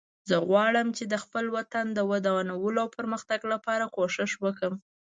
زه غواړم چې د خپل وطن د ودانولو او پرمختګ لپاره کوښښ وکړم